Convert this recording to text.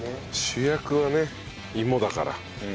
主役はね芋だから。